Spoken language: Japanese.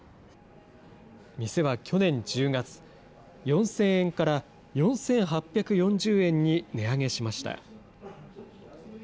店は去年１０月、４０００円から４８４０円に値上げしました。